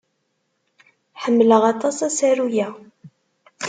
Ḥemmleɣ aṭas asaru-a.